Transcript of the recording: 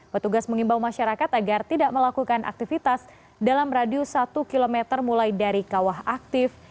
petugas mengimbau masyarakat agar tidak melakukan aktivitas dalam radius satu km mulai dari kawah aktif